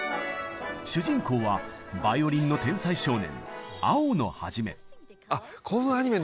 主人公はバイオリンの天才少年